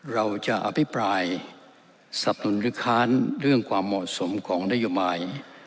เราจะอภิปรายสรรพ์หนึ่งละครเรื่องความเหมาะสมของนโยมาย